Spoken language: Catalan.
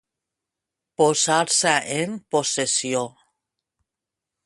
Posar-se en possessió.